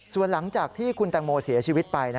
ส่วนหลังจากที่คุณแตงโมเสียชีวิตไป